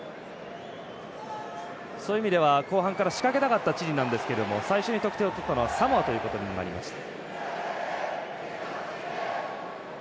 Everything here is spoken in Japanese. そういう意味では後半から仕掛けたかったチリなんですけども最初に得点を取ったのはサモアということになりました。